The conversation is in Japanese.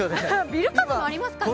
ビル風もありますかね。